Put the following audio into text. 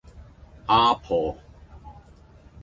阿婆